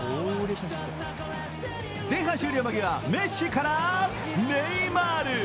前半終了間際、メッシからネイマール。